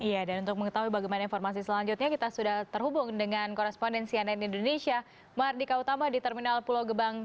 iya dan untuk mengetahui bagaimana informasi selanjutnya kita sudah terhubung dengan korespondensi ann indonesia mardika utama di terminal pulau gebang